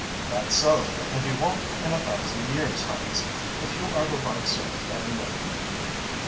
"That's so, and you won't in a thousand years, Hans. But you are the right sort, any way."